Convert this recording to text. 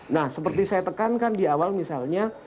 nah seperti saya tekankan di awal misalnya